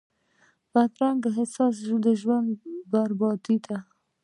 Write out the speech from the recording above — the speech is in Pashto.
بدرنګه احساس ژوند بربادوي